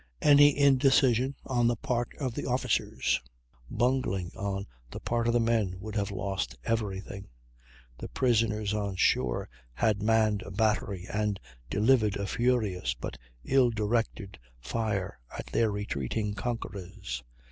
Any indecision on the part of the officers or bungling on the part of the men would have lost every thing. The prisoners on shore had manned a battery and delivered a furious but ill directed fire at their retreating conquerors.